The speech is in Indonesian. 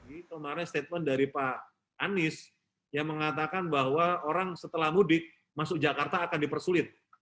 kemarin statement dari pak anies yang mengatakan bahwa orang setelah mudik masuk jakarta akan dipersulit